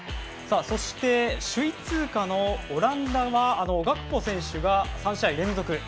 そして、首位通過のオランダはガクポ選手が３試合連続。